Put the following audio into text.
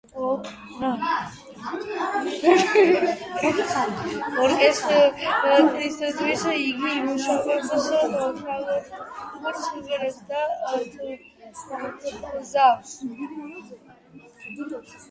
ორკესტრისათვის იგი ამუშავებს ხალხური სიმღერებს და თხზავს.